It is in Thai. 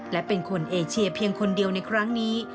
และเป็นคนเอเชียเพียงคนเดียวในครั้งนี้